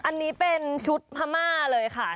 อันนี้เป็นชุดพม่าเลยค่ะ